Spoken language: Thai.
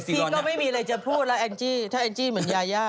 ที่ก็ไม่มีไรจะพูดละแองจีถ้าแองจีเหมือนยา